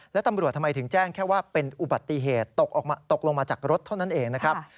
และตำรวจทำไมถึงแจ้งแค่ว่าเป็นอุบัติเหตุตกลงมาจากรถเท่านั้นเองนะครับ